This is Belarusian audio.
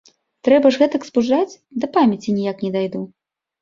Трэба ж гэтак спужаць, да памяці ніяк не дайду.